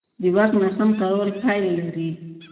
د واک ناسم کارول پایلې لري